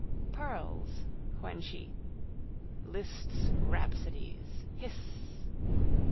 Pearls: when she. Liszt's rhapsodies. Hissss.